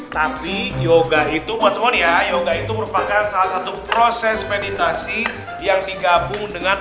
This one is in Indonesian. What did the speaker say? tapi yoga itu buat semuanya yoga itu merupakan salah satu proses meditasi yang digabung dengan